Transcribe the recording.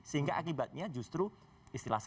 sehingga akibatnya justru istilah saya